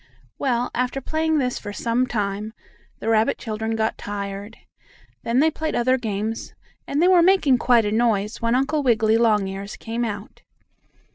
Well, after playing this for some time, the rabbit children got tired. Then they played other games, and they were making quite a noise, when Uncle Wiggily Longears came out.